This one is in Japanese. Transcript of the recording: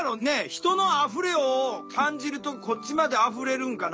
人の「あふれ」を感じるとこっちまであふれるんかな？